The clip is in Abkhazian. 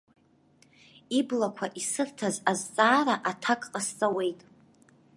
Иблақәа исырҭаз азҵаара аҭак ҟасҵауеит.